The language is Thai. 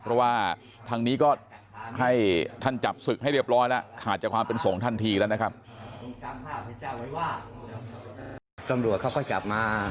เพราะว่าทางนี้ก็ให้ท่านจับศึกให้เรียบร้อยแล้วขาดจากความเป็นสงฆ์ทันทีแล้วนะครับ